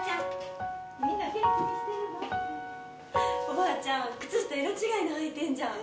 おばあちゃん、靴下色違いの履いてんじゃん！